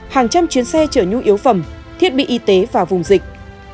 hàng trăm chuyến xe chở nhu yếu phẩm thiết bị y tế vào vùng dịch